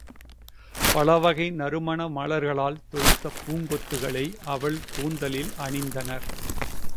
பலவகை நறுமண மலர்களால் தொடுத்த பூங்கொத்துக்களை அவள் கூந்தலில் அணிந்தனர்.